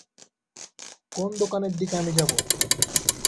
কোন দোকানের দিকে আমি যাবো?